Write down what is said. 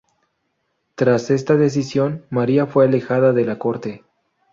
Tras esta decisión, Maria fue alejada de la corte.